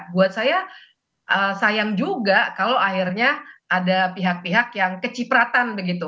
buat saya sayang juga kalau akhirnya ada pihak pihak yang kecipratan begitu